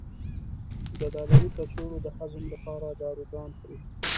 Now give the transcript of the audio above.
د ډالري کڅوړو د هضم لپاره داروګان خوري.